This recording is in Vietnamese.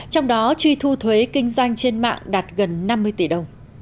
trong đó truy thu thuế kinh doanh trên mạng đạt gần năm mươi tỷ đồng